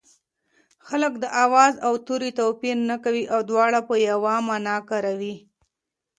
خلک د آواز او توري توپیر نه کوي او دواړه په یوه مانا کاروي